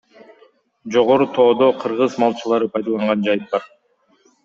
Жогору тоодо — кыргыз малчылары пайдаланган жайыт бар.